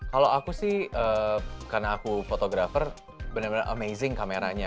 kalau aku sih karena aku fotografer benar benar amazing kameranya